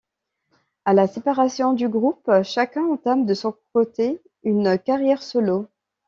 À la séparation du groupe, chacun entame de son côté une carrière solo.